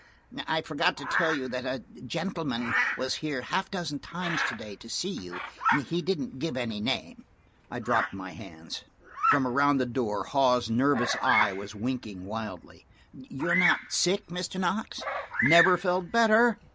"I forgot to tell you that a gentleman was here half a dozen times to day to see you. He didn't give any name." I dropped my hands. From around the door Hawes' nervous eye was winking wildly. "You're not sick, Mr. Knox?" "Never felt better."